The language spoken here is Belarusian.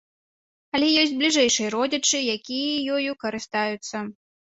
Але ёсць бліжэйшыя родзічы, якія ёю карыстаюцца.